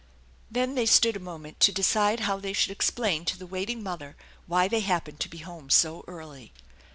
Then they stood a moment to decide how they should explain to the waiting mother why fchey happened to be home so early.